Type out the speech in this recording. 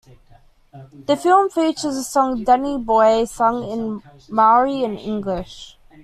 The film features the song "Danny Boy" sung in Maori and English.